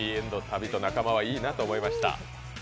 旅と仲間はいいなと想いました。